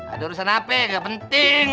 ada urusan apa yang gak penting